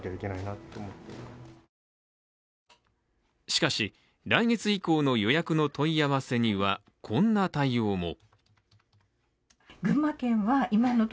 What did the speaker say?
しかし、来月以降の予約の問い合わせにはこんな対応も。